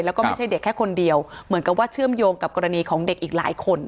แล้วก็ไม่ใช่เด็กแค่คนเดียวเหมือนกับว่าเชื่อมโยงกับกรณีของเด็กอีกหลายคน